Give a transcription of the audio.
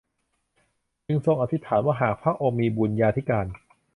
จึงทรงอธิษฐานว่าหากพระองค์มีบุญญาธิการ